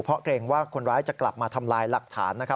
เพราะเกรงว่าคนร้ายจะกลับมาทำลายหลักฐาน